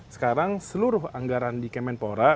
sekarang seluruh anggaran di kemenpora